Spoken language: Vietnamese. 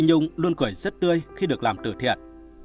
phi nhung luôn cười rất tươi khi được làm từ thiện